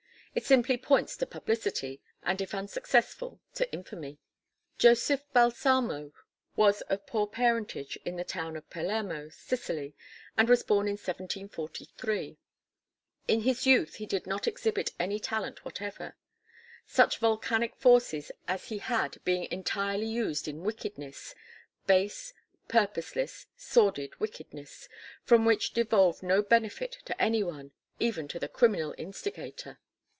It simply points to publicity, and if unsuccessful, to infamy. Joseph Balsamo was of poor parentage in the town of Palermo, Sicily, and was born in 1743. In his youth he did not exhibit any talent whatever, such volcanic forces as he had being entirely used in wickedness base, purposeless, sordid wickedness, from which devolved no benefit to any one even to the criminal instigator.